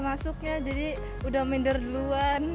masuknya jadi udah minder duluan